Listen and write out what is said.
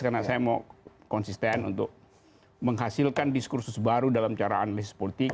karena saya mau konsisten untuk menghasilkan diskursus baru dalam cara analisis politik